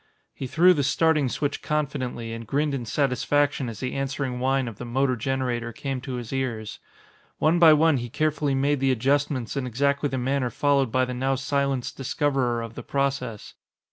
He threw the starting switch confidently and grinned in satisfaction as the answering whine of the motor generator came to his ears. One by one he carefully made the adjustments in exactly the manner followed by the now silenced discoverer of the process.